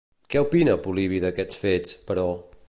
Què opina Polibi d'aquests fets, però?